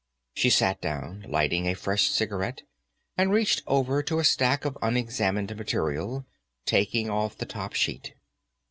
She sat down, lighting a fresh cigarette, and reached over to a stack of unexamined material, taking off the top sheet.